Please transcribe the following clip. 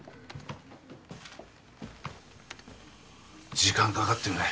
時間かかってるね。